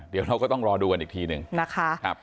เดี๋ยวเราก็ต้องรอดูกันอีกทีหนึ่งนะคะ